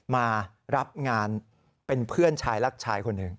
มารับงานเป็นเพื่อนชายรักชายคนหนึ่ง